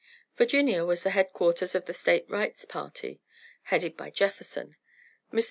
Virginia was the headquarters of the State rights party, headed by Jefferson. Mr.